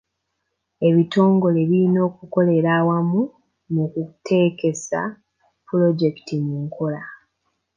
Ebitongole birina okukolera awamu mu kuteekesa pulojekiti mu nkola.